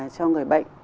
cho người bệnh